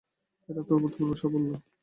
এটা তো অভূতপূর্ব সাফল্য।